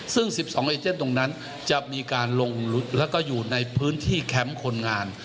ซึ่ง๑๒เอเจนตรงนั้นจะมีการลงแล้วก็อยู่ในพื้นที่แคมป์คนงาน